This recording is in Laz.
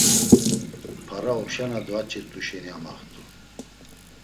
Para opşa na dvaç̌irt̆u şeni amaxt̆u.